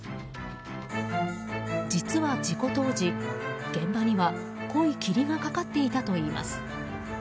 実は事故当時、現場には濃い霧がかかっていたといいます。